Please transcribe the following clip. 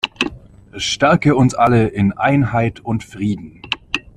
Stärke uns alle in Einheit und Frieden!